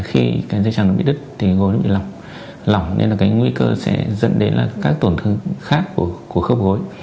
khi dây chẳng bị đứt thì gối bị lỏng lỏng nên nguy cơ sẽ dẫn đến các tổn thương khác của khớp gối